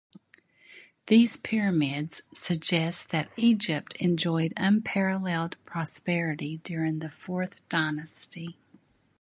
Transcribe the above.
These pyramids suggest that Egypt enjoyed unparalleled prosperity during the fourth dynasty.